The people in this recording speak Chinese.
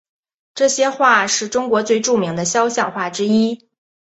这些画是中国最著名的肖像画之一。